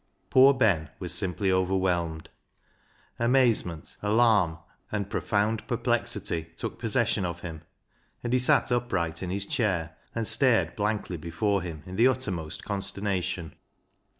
Poor Ben was simply overwhelmed. Amaze 55 56 BECKSIDE LIGHTS ment, alarm, and profound perplexity took possession of him, and he sat upright in his chair and stared blankly before him in the uttermost consternation.